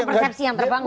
persepsi yang terbangun